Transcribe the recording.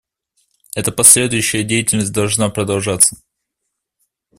Эта последующая деятельность должна продолжаться.